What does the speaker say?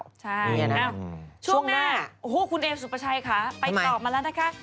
เว้นช่วงหน้าคุณเอสวิปชัยไปต่อมาแล้วนะคะ